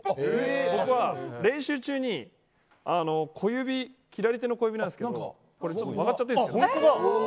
僕は、練習中に左手の小指なんですが曲がっちゃってるんですよ。